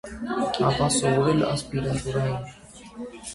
Ապա սովորել է ասպիրանտուրայում։